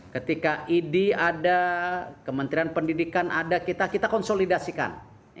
ketika idi ada kementerian pendidikan ada kita konsolidasikan